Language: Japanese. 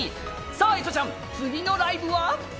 えとちゃん、次のライブは？